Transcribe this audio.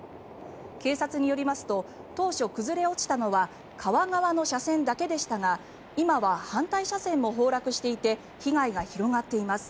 警察によりますと当初、崩れ落ちたのは川側の車線だけでしたが今は反対車線も崩落していて被害が広がっています。